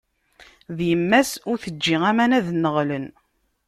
D yemma-s, ur teǧǧi aman ad nneɣlen!